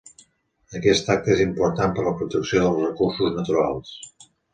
Aquesta acta és important per a la protecció dels recursos naturals.